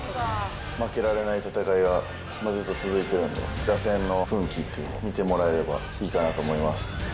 負けられない戦いがずっと続いてるんで、打線の奮起っていうのを見てもらえればいいかなと思います。